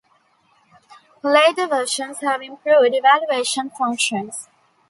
Later versions have improved evaluation functions.